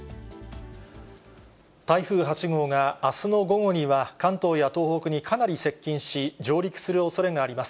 台風８号があすの午後には関東や東北にかなり接近し、上陸するおそれがあります。